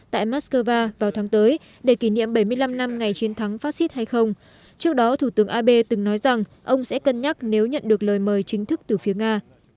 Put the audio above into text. tại moscow vào tháng tới để kỷ niệm bảy mươi năm năm ngày chiến thắng fascist hay không trước đó thủ tướng abe từng nói rằng ông sẽ cân nhắc nếu nhận được lời mời chính thức từ phía nga